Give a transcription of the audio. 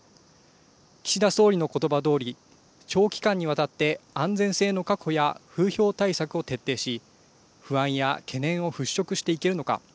岸田総理のことばどおり、長期間にわたって安全性の確保や風評対策を徹底し不安や懸念を払拭していけるのか。